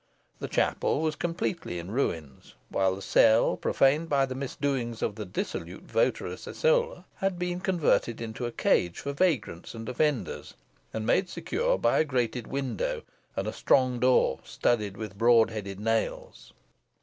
The chapel was completely in ruins, while the cell, profaned by the misdoings of the dissolute votaress Isole, had been converted into a cage for vagrants and offenders, and made secure by a grated window, and a strong door studded with broad headed nails.